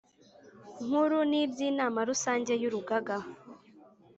Nkuru n iby Inama Rusange y Urugaga